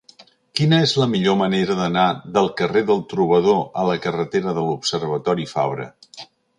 Quina és la millor manera d'anar del carrer del Trobador a la carretera de l'Observatori Fabra?